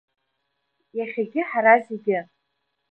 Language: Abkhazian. Иахьагьы ҳара зегьы…